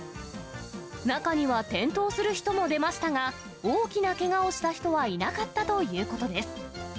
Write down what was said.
中には転倒する人も出ましたが、大きなけがをした人はいなかったということです。